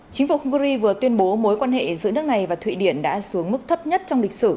chính phủ hungary vừa tuyên bố mối quan hệ giữa nước này và thụy điển đã xuống mức thấp nhất trong lịch sử